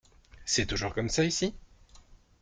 C’est toujours comme ça ici ?